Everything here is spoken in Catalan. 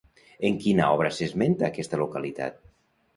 En quina obra s'esmenta aquesta localitat?